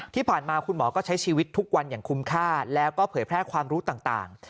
ที่ผ่านมาคุณหมอก็ใช้ชีวิตทุกวันอย่างคุ้มค่าแล้วก็เผยแพร่ความรู้ต่าง